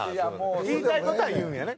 言いたい事は言うんやね。